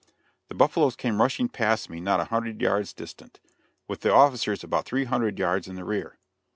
The buffaloes came rushing past me not a hundred yards distant, with the officers about three hundred yards in the rear.